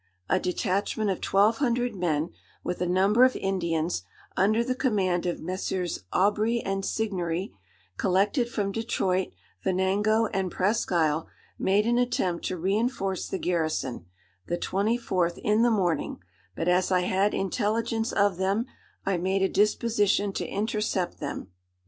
A detachment of twelve hundred men, with a number of Indians, under the command of Messieurs Aubry and Signery, collected from Detroit, Venango, and Presqu'Isle, made an attempt to reinforce the garrison, the twenty fourth in the morning; but as I had intelligence of them, I made a disposition to intercept them.